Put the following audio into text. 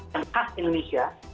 yang khas indonesia